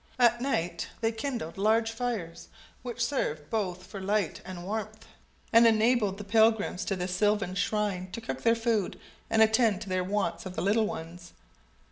At right they kindled large fires, which served both for light and warmth, and enabled the pilgrims to this sylvan shrine to cook their food, and attend to their wants of their little ones.